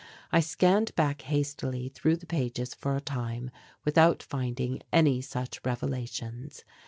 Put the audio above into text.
I scanned back hastily through the pages for a time without finding any such revelations.